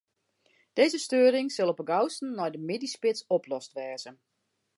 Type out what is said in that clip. Dizze steuring sil op 'en gausten nei de middeisspits oplost wêze.